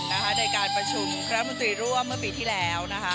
ในการประชุมรัฐมนตรีร่วมเมื่อปีที่แล้ว